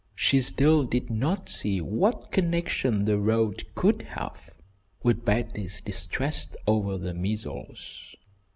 She still did not see what connection the road could have with Betty's distress over the measles.